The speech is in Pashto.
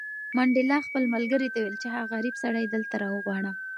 منډېلا خپل ملګري ته وویل چې هغه غریب سړی دلته راوغواړه.